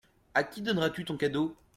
À qui donneras-tu ton cadeau ?